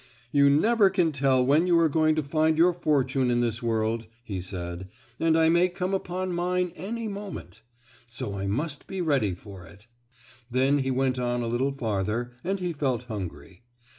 "You never can tell when you are going to find your fortune in this world," he said, "and I may come upon mine any moment. So I must be ready for it." Then he went on a little farther, and he felt hungry.